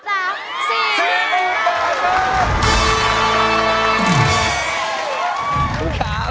อ๋อขอบคุณครับ